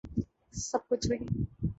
سَب کُچھ وہی